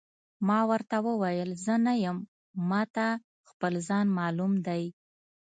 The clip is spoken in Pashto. ما ورته وویل: زه نه یم، ما ته خپل ځان معلوم دی.